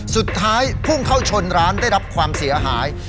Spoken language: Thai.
สุดท้ายพุ่งเข้าชนร้านได้รับความเสียหาย